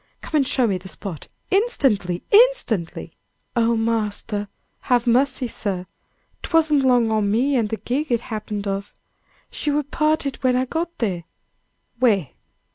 Come and show me the spot! instantly! instantly!" "Oh, marster, have mercy, sir! 'Twasn't along o' me an' the gig it happened of! She wur 'parted when I got there!" "Where?